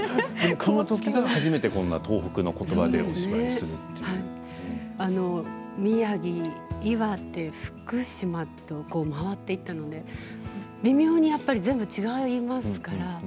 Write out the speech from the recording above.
このとき初めて東北のことばで宮城、岩手、福島と回っていったので微妙に全部違いますから。